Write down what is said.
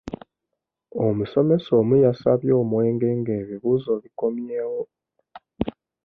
Omusomesa omu yasabye omwenge nga ebibuuzo bikomyewo.